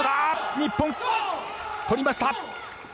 日本、とりました。